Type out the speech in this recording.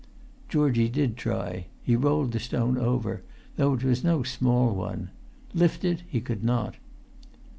Georgie did try. He rolled the stone over, though it was no small one; lift it he could not.